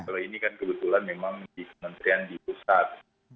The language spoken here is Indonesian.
kalau ini kan kebetulan memang di kementerian di pusat